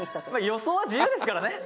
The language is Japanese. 「予想は自由ですからね」